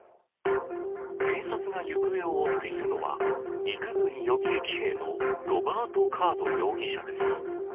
警察が行方を追っているのは、陸軍予備役兵のロバート・カード容疑者です。